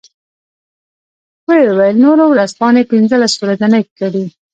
و یې ویل نورو ورځپاڼې پنځلس ورځنۍ کړې.